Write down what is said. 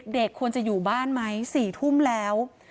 เด็กควรจะอยู่บ้านไหม๔ทุ่มแล้ว